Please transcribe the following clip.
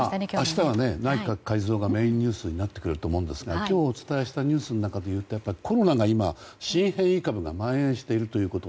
明日は内閣改造がメインニュースになってくると思うんですが今日お伝えしたニュースの中でいうとやっぱりコロナが今、新変異株が蔓延しているということ。